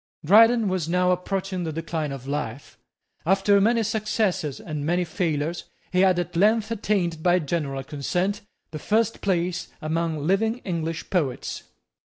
Dryden was now approaching the decline of life. After many successes and many failures, he had at length attained, by general consent, the first place among living English poets.